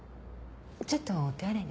ちょっとお手洗いに。